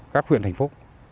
các huyện thành phố